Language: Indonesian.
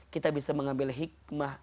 kita bisa mengambil hikmah